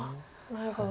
なるほど。